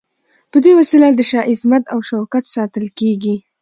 په دې وسیله د شاه عظمت او شوکت ساتل کیږي.